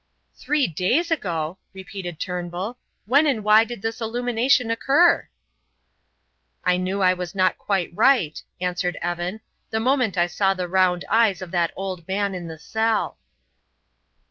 "Three days ago!" repeated Turnbull. "When and why did this illumination occur?" "I knew I was not quite right," answered Evan, "the moment I saw the round eyes of that old man in the cell."